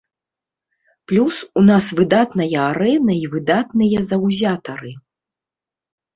Плюс у нас выдатная арэна і выдатныя заўзятары.